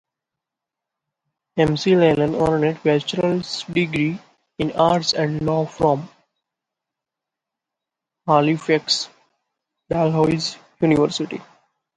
McLellan earned bachelor's degrees in Arts and Law from Halifax's Dalhousie University.